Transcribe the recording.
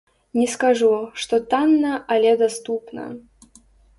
Не скажу, што танна, але даступна.